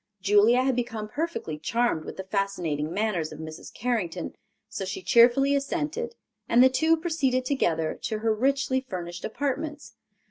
Julia had become perfectly charmed with the fascinating manners of Mrs. Carrington, so she cheerfully assented, and the two proceeded together to her richly furnished apartments.